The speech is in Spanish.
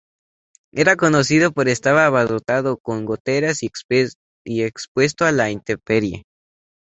Era conocido por estar abarrotado, con goteras y expuesto a la intemperie.